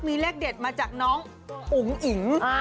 มีแรกเด็ดมาจากน้องอุ๋งหญิง